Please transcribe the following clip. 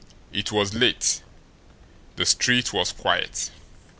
It was late. The street was quiet.